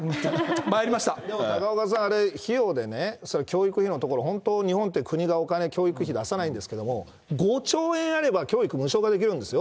参高岡さん、費用でね、教育費のところ、日本って、国がお金、教育費出さないんですけど、５兆円あれば、教育無償化できるんですよ。